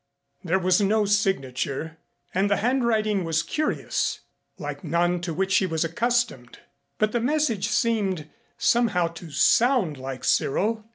There was no signature and the handwriting was curious like none to which she was accustomed, but the message seemed somehow to sound like Cyril.